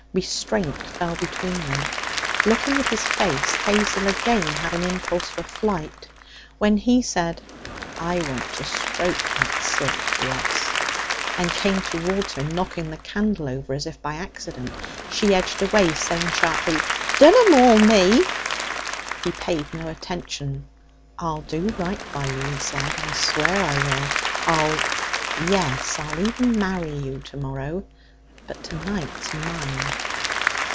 Restraint fell between them. Looking at his face, Hazel again had an impulse for flight. When he said, 'I want to stroke that silk dress,' and came towards her, knocking the candle over as if by accident, she edged away, saying sharply: 'Dunna maul me!' He paid no attention. 'I'll do right by you,' he said; 'I swear I will. I'll yes, I'll even marry you to morrow. But to night's mine.'